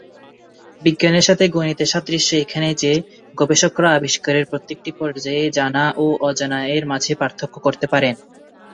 বিজ্ঞানের সাথে গণিতের সাদৃশ্য এখানে যে গবেষকরা আবিষ্কারের প্রত্যেকটি পর্যায়ে জানা ও অজানা এর মাঝে পার্থক্য করতে পারেন।